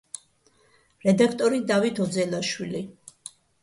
რედაქტორი დავით ოძელაშვილი.